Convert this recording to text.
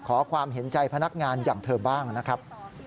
ขอความเห็นใจพนักงานอย่างเธอบ้างนะครับ